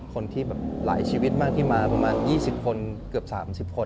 คนที่แบบหลายชีวิตมากที่มาประมาณ๒๐คนเกือบ๓๐คน